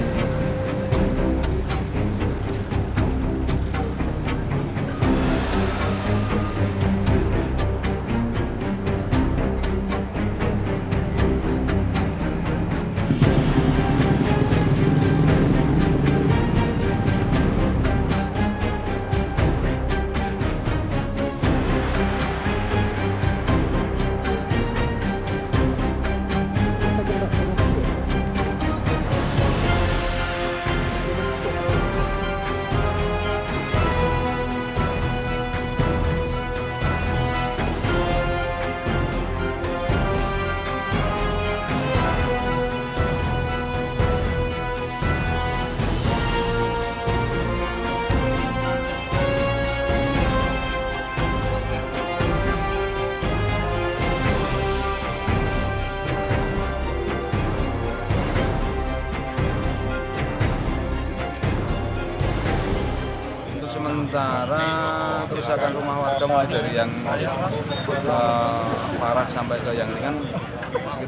jangan lupa like share dan subscribe channel ini untuk dapat info terbaru dari kami